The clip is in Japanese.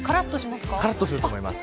からっとすると思います。